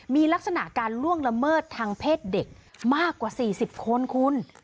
มีลักษณะการล่วงละเมิดทางเพศเด็กมากกว่า๔๐คนคุณ